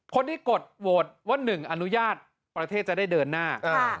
คนที่กดโวทย์ว่า๑อนุญาตประเทศจะได้เดินหน้า๑๔